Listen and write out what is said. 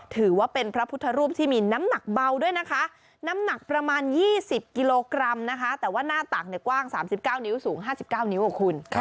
ถือว่าเป็นพระพุทธรูปที่มีน้ำหนักเบาด้วยนะคะน้ำหนักประมาณ๒๐กิโลกรัมนะคะแต่ว่าหน้าตักกว้าง๓๙นิ้วสูง๕๙นิ้วคุณ